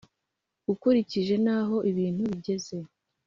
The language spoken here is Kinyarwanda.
ukurikije n’aho ibintu bigeze